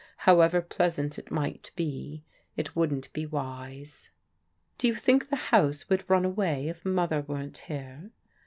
However pleasant it might be, it wouldn't be wise." Do you think the house would run away if Mother weren't here?